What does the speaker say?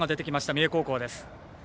三重高校です。